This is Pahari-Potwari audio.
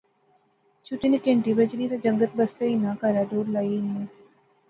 چھٹی نی کہنٹی بجنی تے جنگت بستے ہنی کہرا ا دوڑ لائی ہننے